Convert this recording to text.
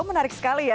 menarik sekali ya